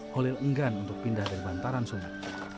holil enggan untuk pindah dari bantaran sungai